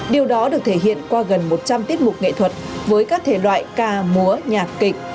điều đó được thể hiện qua gần một trăm linh tiết mục nghệ thuật với các thể loại ca múa nhạc kịch